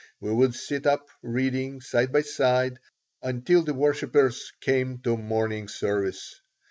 We would sit up reading, side by side, until the worshipers came to morning service.